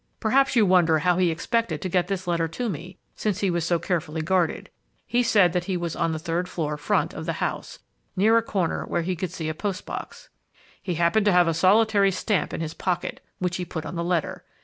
Perhaps you wonder how he expected to get this letter to me, since he was so carefully guarded. He said that he was on the third floor, front, of the house, near a corner where he could see a post box. He happened to have a solitary stamp in his pocket, which he put on the letter.